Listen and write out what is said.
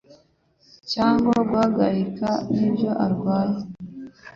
cyangwa guhangayika nibyo arwaye